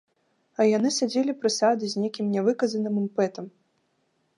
А яны садзілі прысады з нейкім нявыказаным імпэтам.